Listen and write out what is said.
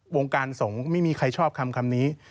วงการสงฆ์ไม่มีใครชอบคำนี้